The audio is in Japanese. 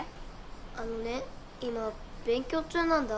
あのね今勉強中なんだ。